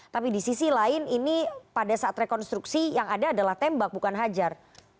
tapi di sisi lain ini pada saat rekonstruksi yang ada adalah tembak bukan hajar